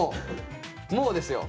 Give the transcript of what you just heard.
もうですよ。